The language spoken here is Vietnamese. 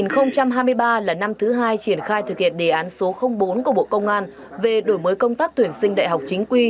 năm hai nghìn hai mươi ba là năm thứ hai triển khai thực hiện đề án số bốn của bộ công an về đổi mới công tác tuyển sinh đại học chính quy